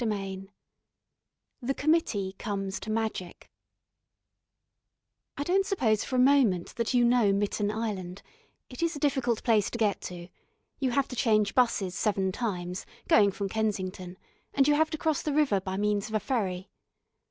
CHAPTER II THE COMMITTEE COMES TO MAGIC I don't suppose for a moment that you know Mitten Island: it is a difficult place to get to; you have to change 'buses seven times, going from Kensington, and you have to cross the river by means of a ferry.